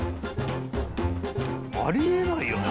あり得ないよね。